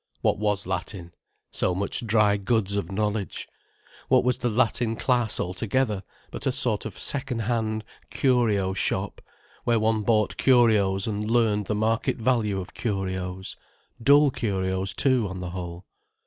What was Latin?—So much dry goods of knowledge. What was the Latin class altogether but a sort of second hand curio shop, where one bought curios and learned the market value of curios; dull curios too, on the whole.